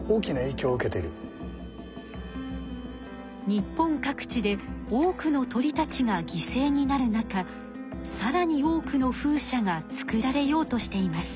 日本各地で多くの鳥たちがぎせいになる中さらに多くの風車が作られようとしています。